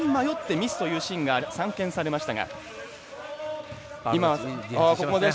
ミスというシーンが散見されました。